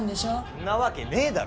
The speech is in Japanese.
んなわけねえだろ。